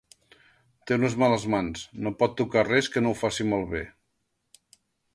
Té unes males mans: no pot tocar res que no ho faci malbé.